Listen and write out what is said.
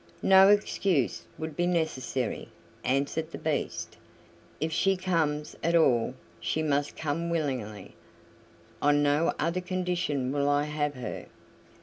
"No excuse would be necessary," answered the Beast. "If she comes at all she must come willingly. On no other condition will I have her.